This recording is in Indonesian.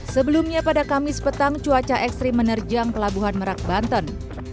sebelumnya pada kamis petang cuaca ekstrim menerjang pelabuhan merak banten